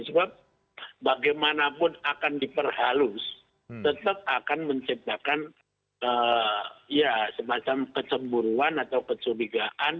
sebab bagaimanapun akan diperhalus tetap akan menciptakan ya semacam kecemburuan atau kecurigaan